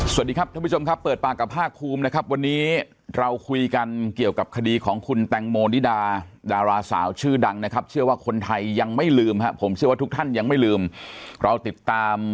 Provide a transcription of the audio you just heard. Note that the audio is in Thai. สวัสดีครับท่านผู้ชมครับเปิดปากกับภาคภูมินะครับวันนี้เราคุยกันเกี่ยวกับคดีของคุณแตงโมนิดาดาราสาวชื่อดังนะครับเชื่อว่าคนไทยยังไม่ลืมครับผมเชื่อว่าทุกท่านยังไม่ลืมเราติดตาม